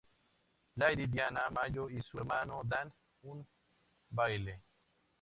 Lady Diana Mayo y su hermano dan un baile.